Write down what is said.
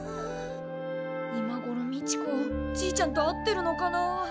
今ごろみちこじいちゃんと会ってるのかな。